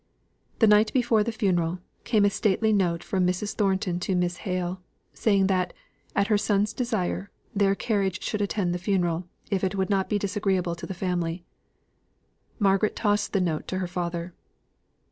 The night before the funeral, came a stately note from Mrs. Thornton to Miss Hale, saying that, at her son's desire, their carriage should attend the funeral, if it would not be disagreeable to the family. Margaret tossed the note to her father.